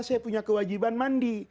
saya punya kewajiban mandi